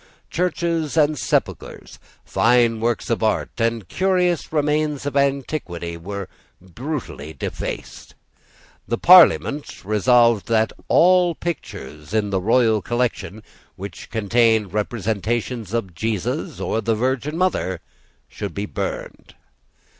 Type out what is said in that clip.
Churches and sepulchres, fine works of art and curious remains of antiquity, were brutally defaced. The Parliament resolved that all pictures in the royal collection which contained representations of Jesus or of the Virgin Mother should be burned.